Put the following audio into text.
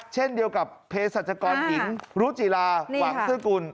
เช่นเดียวกับเพศรัชกรหญิงรุจิลาหวังซื้อกุล